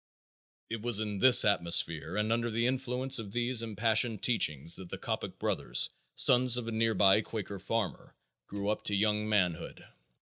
It was in this atmosphere and under the influence of these impassioned teachings that the Coppock brothers, sons of a nearby Quaker farmer, grew up to young manhood.